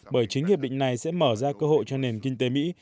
bởi chính hiệp định này sẽ mở ra cơ hội cho nền kinh tế mỹ